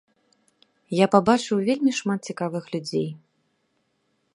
Я пабачыў вельмі шмат цікавых людзей.